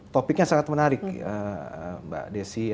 topiknya sangat menarik mbak desi